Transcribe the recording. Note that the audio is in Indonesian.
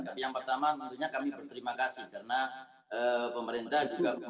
tapi yang pertama tentunya kami berterima kasih karena pemerintah juga memberikan para tenaga medis dan tenaga kesehatan